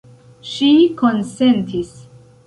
Ŝi konsentis.